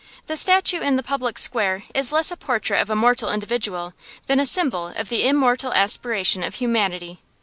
The statue in the public square is less a portrait of a mortal individual than a symbol of the immortal aspiration of humanity.